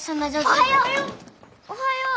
おはよう。